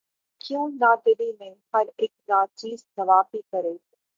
کیوں نہ دلی میں ہر اک ناچیز نوّابی کرے